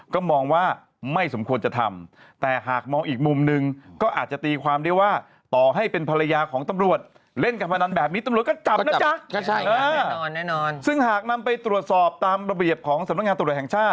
ก็มองว่าไม่สมควรจะทำ